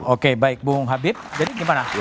oke baik bung habib jadi gimana